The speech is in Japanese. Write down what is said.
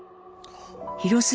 広末